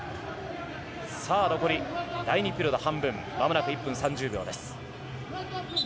残り第２ピリオド半分まもなく１分３０秒です。